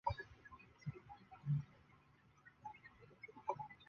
宋太祖孝惠贺皇后之侄。